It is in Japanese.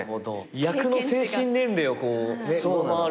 役の精神年齢を上回るというか。